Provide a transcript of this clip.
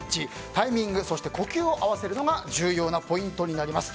タイミング、そして呼吸を合わせるのが重要なポイントになります。